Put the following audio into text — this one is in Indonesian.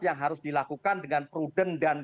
yang harus dilakukan dengan prudent dan